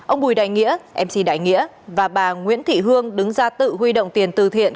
ông bùi đại nghĩa và bà nguyễn thị hương đứng ra tự huy động tiền từ thiện